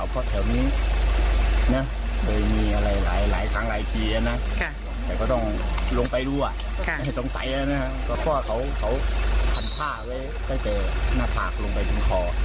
เพราะว่าเขาทำผ้าไว้ได้เจอหน้าปากลงไปถึงคอ